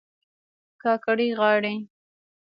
کاکړۍ غاړي